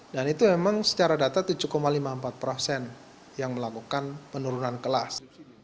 dan itu memang secara data tujuh lima puluh empat persen yang melakukan penurunan kelas